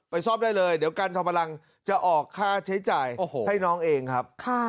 ซ่อมได้เลยเดี๋ยวการทำพลังจะออกค่าใช้จ่ายให้น้องเองครับ